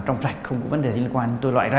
trong trạch không có vấn đề liên quan tôi loại ra